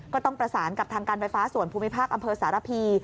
ก็ต้องประสานกับทางการไฟฟ้าส่วนภูมิภาคอำเภอสารพี